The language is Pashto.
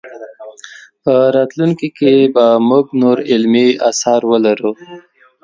په راتلونکي کې به موږ نور علمي اثار ولرو.